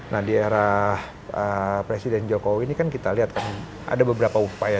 nah di era presiden jokowi ini kan kita lihat kan ada beberapa upaya